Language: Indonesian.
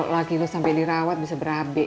kalo laki lo sampe dirawat bisa berabe